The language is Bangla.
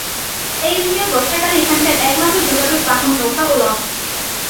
এই ইউনিয়ন বর্ষাকালে এখানকার এক মাত্র যোগাযোগ বাহন নৌকা ও লঞ্চ।